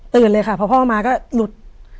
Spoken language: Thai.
เลยค่ะพอพ่อมาก็หลุด